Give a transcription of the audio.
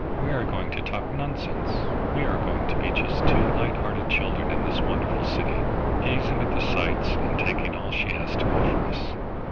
We are going to talk nonsense. We are going to be just two light hearted children in this wonderful city, gazing at the sights and taking all she has to offer us.